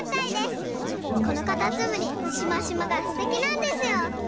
このカタツムリシマシマがすてきなんですよ。